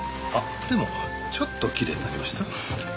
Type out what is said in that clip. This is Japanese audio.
あっでもちょっときれいになりました。